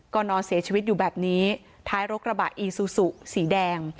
ก็นอนเสียชีวิตอยู่แบบนี้ท้ายรกระบะอีซูซูสีแดง